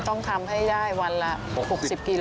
ต้องทำให้ได้วันละ๖๐กิโล